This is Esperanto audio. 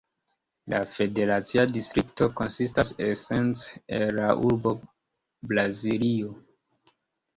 La federacia distrikto konsistas esence el la urbo Braziljo.